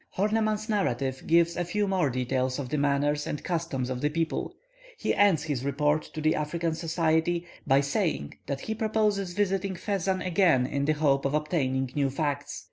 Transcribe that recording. Horneman's narrative gives a few more details of the manners and customs of the people. He ends his report to the African Society by saying that he proposes visiting Fezzan again in the hope of obtaining new facts.